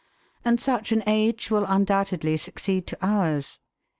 And such an age will undoubtedly succeed to ours.